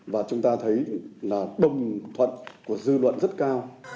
và chúng ta thấy là đồng thuận của dư luận rất cao